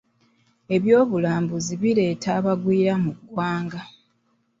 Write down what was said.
Ebyobulambuzi bireeta abagwiira mu ggwanga.